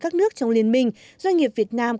các nước trong liên minh doanh nghiệp việt nam